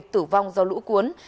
tuyên quang tử vong do lũ cuốn